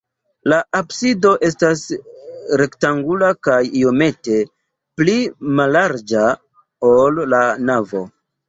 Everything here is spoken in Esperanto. La absido estas rektangula kaj iomete pli mallarĝa, ol la navo.